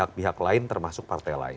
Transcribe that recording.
pihak pihak lain termasuk partai lain